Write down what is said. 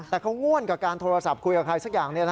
แต่เขาง่วนกับการโทรศัพท์คุยกับใครสักอย่าง